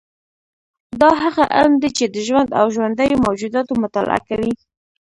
دا هغه علم دی چې د ژوند او ژوندیو موجوداتو مطالعه کوي